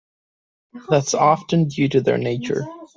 That's often due to their nature.